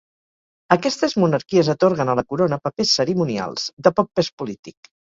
Aquestes monarquies atorguen a la corona papers cerimonials, de poc pes polític.